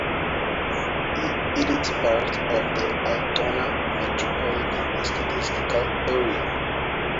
It is part of the Altoona Metropolitan Statistical Area.